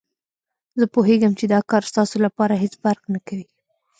زه پوهېږم چې دا کار ستاسو لپاره هېڅ فرق نه کوي.